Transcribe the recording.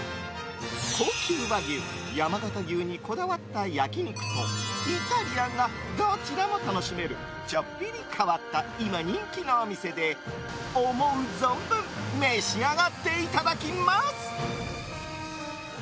高級和牛・山形牛にこだわった焼き肉とイタリアンがどちらも楽しめるちょっぴり変わった今、人気のお店で思う存分召し上がっていただきます。